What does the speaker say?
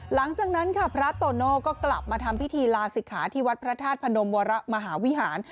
หลังจากนั้นค่ะพระโตโน่ก็กลับมาทำพิธีลาศิกขาที่วัดพระธาตุพนมวรมหาวิหาร